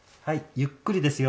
ゆっくりですよ。